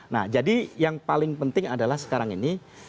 nah jadi yang paling penting adalah sekarang ini